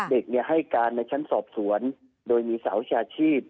เด็กให้การในชั้นสอบสวนโดยมีสาวิชาชีพ